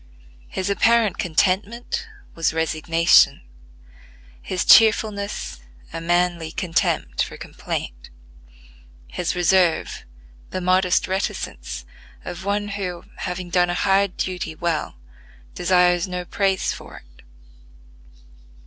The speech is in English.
His apparent contentment was resignation; his cheerfulness, a manly contempt for complaint; his reserve, the modest reticence of one who, having done a hard duty well, desires no praise for it.